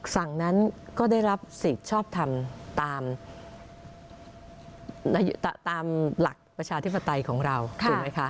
สั่งนั้นก็ได้รับสิทธิ์ชอบทำตามหลักประชาธิปไตยของเราถูกไหมคะ